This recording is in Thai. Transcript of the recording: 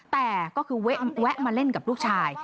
แต่ก็คือแวะมาเล่นกับลูกชาย